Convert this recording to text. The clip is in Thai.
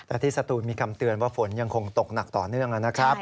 แต่ที่สตูนมีคำเตือนว่าฝนยังคงตกหนักต่อเนื่องนะครับ